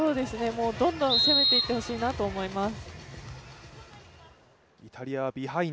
どんどん攻めていってほしいなと思います。